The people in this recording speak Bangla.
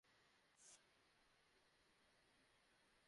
রিয়াজ বিছানার নিচ থেকে কাঁচি বের করে মেয়ের মাথার চুল কেটে দেন।